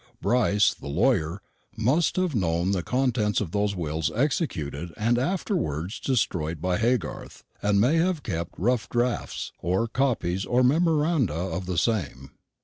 Brice, the lawyer, must have known the contents of those wills executed and afterwards destroyed by Haygarth, and may have kept rough draughts, copies, or memoranda of the same.